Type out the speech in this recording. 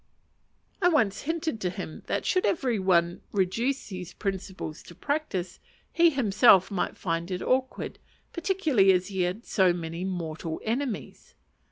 I once hinted to him that, should every one reduce these principles to practice, he himself might find it awkward; particularly as he had so many mortal enemies.